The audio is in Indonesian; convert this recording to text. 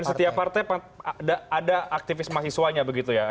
di setiap partai ada aktivis mahasiswanya begitu ya